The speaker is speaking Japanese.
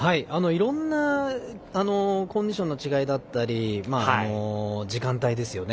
いろんなコンディションの違いだったり時間帯ですよね。